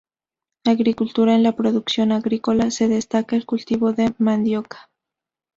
Agricultura: en la producción agrícola se destaca el cultivo de mandioca.